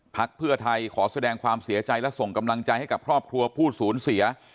เพื่อไทยขอแสดงความเสียใจและส่งกำลังใจให้กับครอบครัวผู้สูญเสีย